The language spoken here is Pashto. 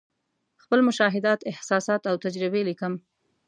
خپل مشاهدات، احساسات او تجربې لیکم.